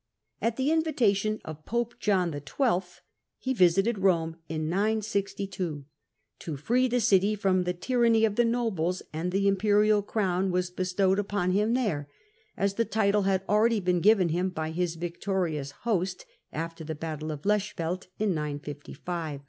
At the invitation of pope John XII., he visited Rome (962) to free the city f5pom the tyranny of the nobles, and the imperial crown was bestowed upon him there, as the title had already been given him by his victorious host after the battle of the Lechfeld (955).